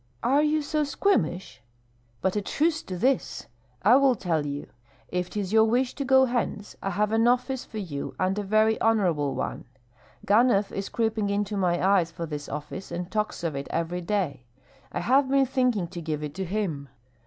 "Are you so squeamish? But a truce to this! I will tell you, if 'tis your wish to go hence, I have an office for you and a very honorable one. Ganhoff is creeping into my eyes for this office, and talks of it every day. I have been thinking to give it to him.